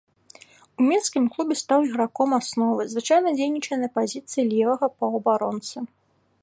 У мінскім клубе стаў іграком асновы, звычайна дзейнічае на пазіцыі левага паўабаронцы.